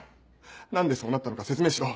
何でそうなったのか説明しろ。